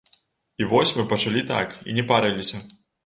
І вось мы пачалі так, і не парыліся.